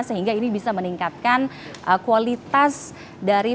sehingga ini bisa meningkatkan kualitas dari terminal ini